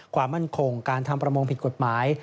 ความมั่นคงการทำประมงผิดกฎหมาย